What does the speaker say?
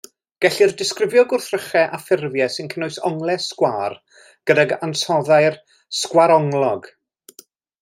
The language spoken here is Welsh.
Gellir disgrifio gwrthrychau a ffurfiau sy'n cynnwys onglau sgwâr gyda'r ansoddair sgwaronglog.